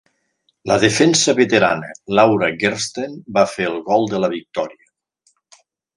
La defensa veterana Laura Gersten va fer el gol de la victòria.